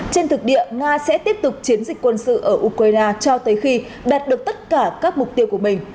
trên thực địa nga sẽ tiếp tục chiến dịch quân sự ở ukraine cho tới khi đạt được tất cả các mục tiêu của mình